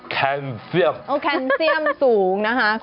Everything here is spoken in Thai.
แคลเฟียมแคลเฟียมสูงนะฮะคุณ